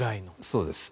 そうです。